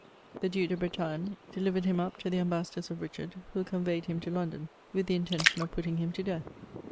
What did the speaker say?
The Duke de Bretagne delivered him up to the Ambassadors of Richard, who con veyed him to London with the intention of putting him to death.